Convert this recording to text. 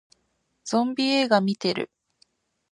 ゾンビ映画見てる